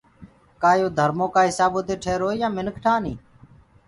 ڪآ يو ڌرمو ڪآ هِسآبو دي ٺيروئي يآن منک ٺآنيٚ